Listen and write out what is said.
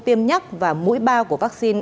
tiêm nhắc và mũi ba của vaccine